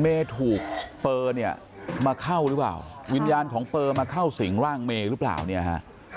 เมย์ถูกเปอร์เนี่ยมาเข้าหรือเปล่าวิญญาณของเปอร์มาเข้าสิงร่างเมย์หรือเปล่าเนี่ยฮะ